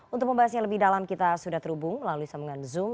untuk membahas yang lebih dalam kita sudah terhubung lalu disambungkan zoom